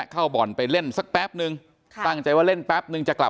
ไปทำแผนจุดเริ่มต้นที่เข้ามาที่บ่อนที่พระราม๓ซอย๖๖เลยนะครับทุกผู้ชมครับ